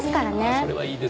それはいいですねぇ。